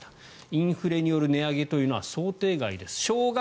インフレによる値上げというのは想定外です。